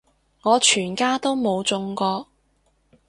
我全家都冇中過